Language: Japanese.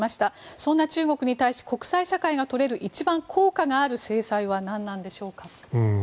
そんな中国に対し国際社会が取れる一番効果がある制裁は何なんでしょうか。